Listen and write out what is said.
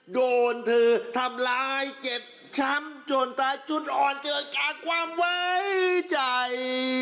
โดนเธอทำร้ายเจ็บช้ำจนตายจุดอ่อนเกิดจากความไว้ใจ